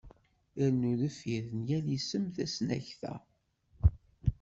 Rnu deffir n yal isem tasnakta.